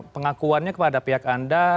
pengakuannya kepada pihak anda